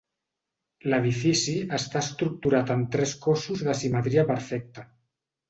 L'edifici està estructurat en tres cossos de simetria perfecta.